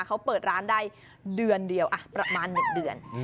เขาเปิดร้านได้เดือนเดียวประมาณ๑เดือน